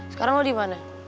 sekarang lo dimana